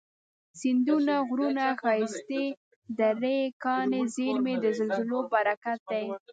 سیندونه، غرونه، ښایستې درې، کاني زیرمي، د زلزلو برکت دی